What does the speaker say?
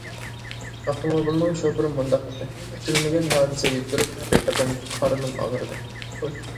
ئاپتوموبىلنىڭ شوپۇرى مۇنداق دېدى: كۈتۈلمىگەن ھادىسە يۈز بېرىپ ھەقىقەتەن قارنىم ئاغرىدى.